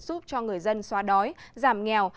giúp cho người dân xóa đói giảm nghèo